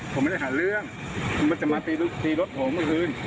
ผมไม่ได้หาเรื่องมันจะมาตีรถผมเมื่อคืน